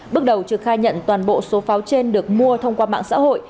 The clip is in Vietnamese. bước đầu trực khai nhận toàn bộ số pháo trên được mua thông qua mạng xã hội